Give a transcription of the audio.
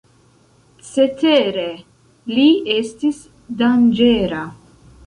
Certe, li estis danĝera.